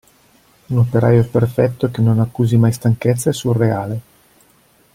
Un operaio perfetto che non accusi mai stanchezza è surreale.